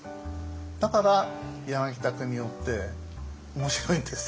だから柳田国男って面白いんですよ。